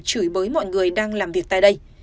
chửi bới mọi người đang làm việc tại đây